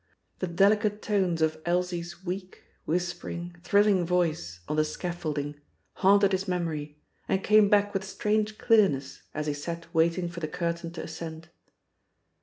The delicate tones of Elsie's weak, whispering, thrilling voice on the scaffolding haunted his memory, and came back with strange clearness as he sat waiting for the curtain to ascend.